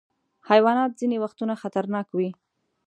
حیوانات ځینې وختونه خطرناک وي.